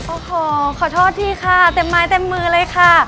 โอ้โหขอโทษพี่ค่ะเต็มไม้เต็มมือเลยค่ะ